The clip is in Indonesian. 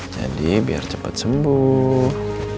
jadi biar cepet sembuh